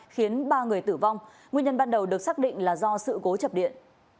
khiến ba người tử vong nguyên nhân ban đầu được xác định là do sự cố chập điện